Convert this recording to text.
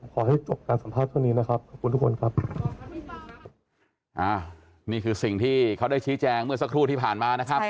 ขอให้จบการสัมภาษณ์เท่านี้นะครับขอบคุณทุกคนครับ